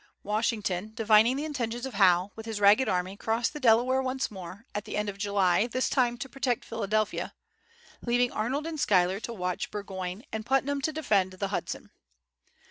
Washington, divining the intentions of Howe, with his ragged army crossed the Delaware once more, at the end of July, this time to protect Philadelphia, leaving Arnold and Schuyler to watch Burgoyne, and Putnam to defend the Hudson.